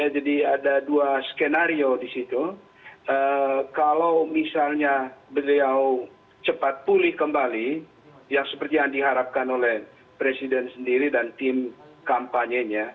jadi ada dua skenario di situ kalau misalnya beliau cepat pulih kembali yang seperti yang diharapkan oleh presiden sendiri dan tim kampanye